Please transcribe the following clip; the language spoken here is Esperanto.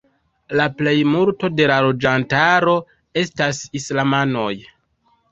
La plejmulto de la loĝantaro estas islamanoj.